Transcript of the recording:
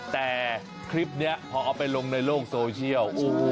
แต่คลิปนี้พอเอาไปลงในโลกโซเชียล